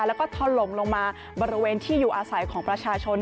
แล้วก็ถล่มลงมาบริเวณที่อยู่อาศัยของประชาชน